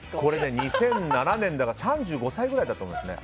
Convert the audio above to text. ２００７年だから３５歳ぐらいだと思いますね。